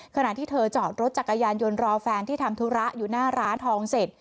ขณะที่เธอจอดรถจักรยานยนต์รอแฟนที่ทำธุระอยู่หน้าร้านทองเสร็จ